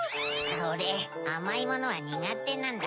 オレあまいものはにがてなんだ。